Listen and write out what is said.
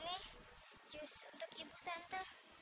ini jus untuk ibu tante